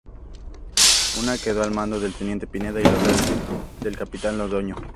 Una quedó al mando del teniente Pineda y la otra del capitán Londoño.